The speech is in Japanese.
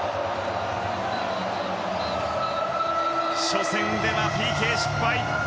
初戦ではＰＫ失敗。